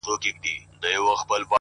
خدايه دا ټـپه مي په وجود كـي ده;